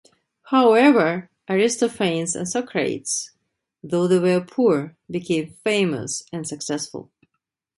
However Aristophanes and Socrates, though they were poor, became famous and successful.